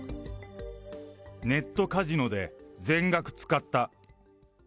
ネットカジノで全額使った。